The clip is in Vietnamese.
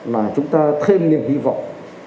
là chúng ta thêm niềm hy vọng